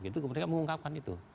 kemudian mereka mengungkapkan itu